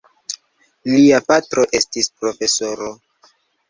Lia patro estis profesoro.